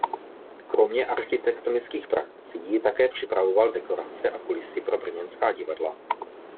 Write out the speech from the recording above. Kromě architektonických prací také připravoval dekorace a kulisy pro brněnská divadla..